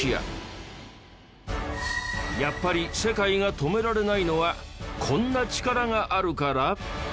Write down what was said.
やっぱり世界が止められないのはこんな力があるから？